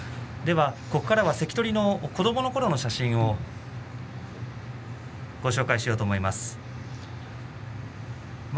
ここからは関取の子どものころの写真をご紹介しようと思います。